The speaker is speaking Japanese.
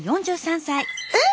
えっ！